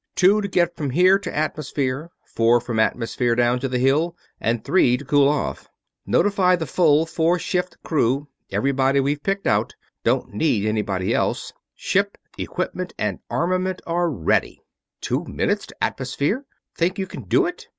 "Two to get from here to atmosphere, four from Atmosphere down to the Hill, and three to cool off. Notify the full four shift crew everybody we've picked out. Don't need anybody else. Ship, equipment, and armament are ready!" "Two minutes to atmosphere? Think you can do it?"